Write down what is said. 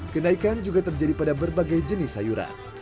kenaikan juga terjadi pada berbagai jenis sayuran